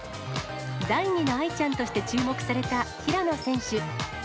第２の愛ちゃんとして注目された平野選手。